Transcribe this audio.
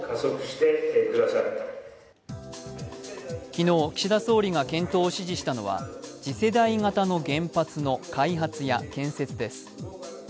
昨日、岸田総理が検討を指示したのが次世代型の原発の開発や建設です。